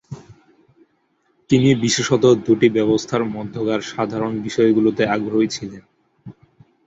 তিনি বিশেষত দুটি ব্যবস্থার মধ্যকার সাধারণ বিষয়গুলোতে আগ্রহী ছিলেন।